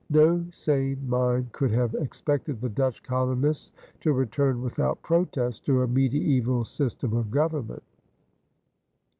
No sane mind could have expected the Dutch colonists to return without protest to a medieval system of government.